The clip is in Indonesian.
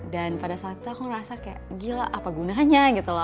dan pada saat itu aku ngerasa kayak gila apa gunanya gitu lah